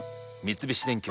三菱電機